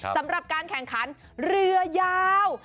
สำหรับการแข่งขันเรือยาว